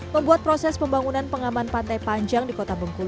membuat proses pembangunan pengaman pantai panjang di kota bengkulu